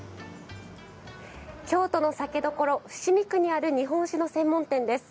京都の酒どころ伏見区にある日本酒の専門店です。